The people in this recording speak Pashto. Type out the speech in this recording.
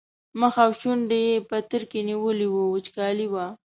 مخ او شونډو یې پترکي نیولي وو وچکالي وه.